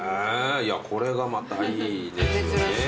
いやこれがまたいいですよね。